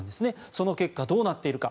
その結果、どうなっているか。